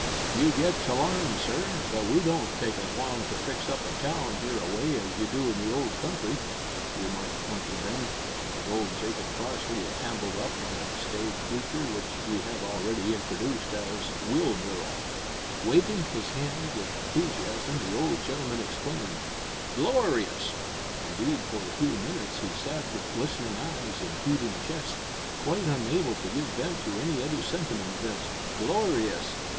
"You've yet to larn, sir, that we don't take as long to fix up a town hereaway as you do in the old country," remarked Hunky Ben, as old Jacob Crossley ambled up on the staid creature which we have already introduced as Wheelbarrow. Waving his hand with enthusiasm the old gentleman exclaimed, "Glorious!" Indeed, for a few minutes he sat with glistening eyes and heaving chest, quite unable to give vent to any other sentiment than "glorious!"